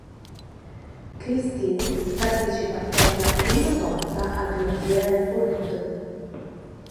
Christine partecipa per la prima volta ad una fiera del fumetto.